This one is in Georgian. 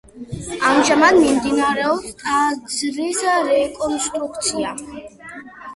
ამჟამად მიმდინარეობს ტაძრის რეკონსტრუქცია.